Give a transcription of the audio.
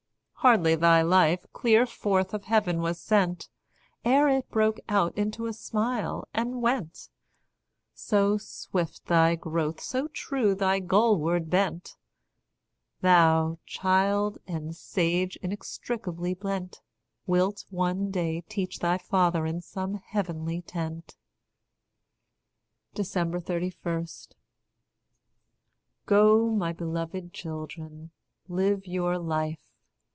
Hardly thy life clear forth of heaven was sent, Ere it broke out into a smile, and went. So swift thy growth, so true thy goalward bent, Thou, child and sage inextricably blent, Wilt one day teach thy father in some heavenly tent 31. Go, my beloved children, live your life.